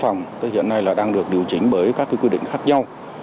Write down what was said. hôm nay là đang được điều chỉnh bởi các quy định khác nhau